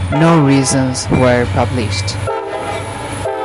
No reasons were published.